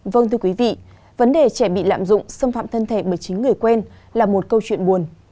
vâng thưa quý vị vấn đề trẻ bị lạm dụng xâm phạm thân thể bởi chính người quen là một câu chuyện buồn